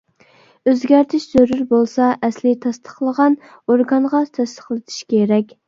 ئۆزگەرتىش زۆرۈر بولسا، ئەسلىي تەستىقلىغان ئورگانغا تەستىقلىتىش كېرەك.